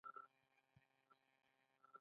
د معدې ظرفیت دوه لیټره دی.